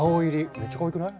めっちゃかわいくない？